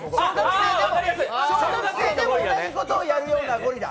小学生でも同じことをやるようなゴリラ。